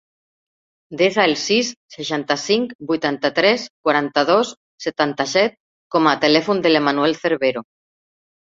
Desa el sis, seixanta-cinc, vuitanta-tres, quaranta-dos, setanta-set com a telèfon de l'Emanuel Cervero.